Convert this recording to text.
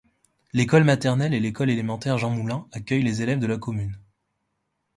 L'école maternelle et l'école élémentaire Jean Moulin accueillent les élèves de la commune.